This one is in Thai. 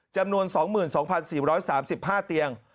จำนวน๒๒๔๓๕เตียง